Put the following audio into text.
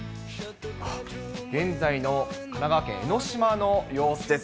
現在の神奈川県江の島の様子です。